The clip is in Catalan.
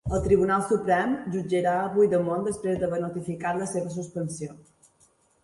El Tribunal Suprem jutjarà a Puigdemont després d'haver notificat la seva suspensió